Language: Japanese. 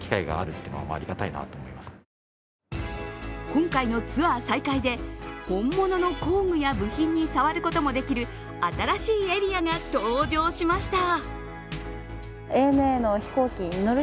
今回のツアー再開で本物の工具や部品に触ることもできる新しいエリアが登場しました。